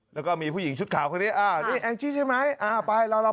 แล้วก็มีผู้หญิงชุดขาวเขาเนี้ยอ่านี่ใช่ไหมอ่าไปเราเรา